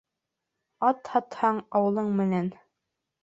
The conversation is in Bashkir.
Ат һатһаң ауылың менән